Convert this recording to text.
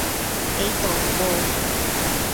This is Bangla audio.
এই তো ও।